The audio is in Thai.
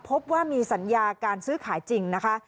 พบว่ามีสัญญาการซื้อขายจริงนะคะ